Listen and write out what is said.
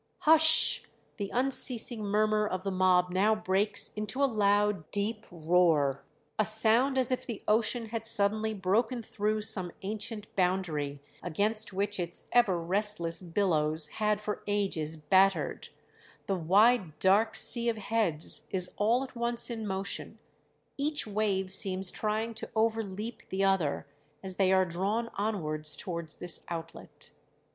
Hush! the unceasing murmur of the mob now breaks into a loud deep roar, a sound as if the ocean had suddenly broken through some ancient boundary, against which its ever restless billows had for ages battered; the wide dark sea of heads is all at once in motion; each wave seems trying to overleap the other as they are drawn onwards towards this outlet.